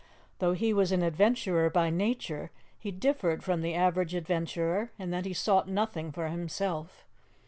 Though he was an adventurer by nature, he differed from the average adventurer in that he sought nothing for himself.